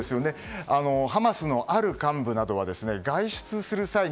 ハマスのある幹部などは外出する際に